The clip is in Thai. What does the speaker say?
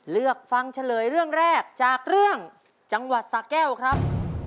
เลือกฟังเฉลยเรื่องแรกจากเรื่องจังหวัดสะแก้วครับ